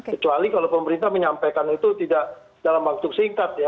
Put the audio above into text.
kecuali kalau pemerintah menyampaikan itu tidak dalam langsung singkat